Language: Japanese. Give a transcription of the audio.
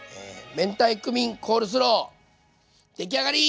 明太クミンコールスロー出来上がり！